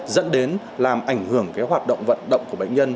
dẫn đến làm ảnh hưởng hoạt động vận động của bệnh nhân